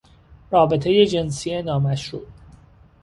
رابطهی جنسی نامشروع